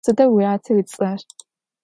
Sıda vuyate ıts'er?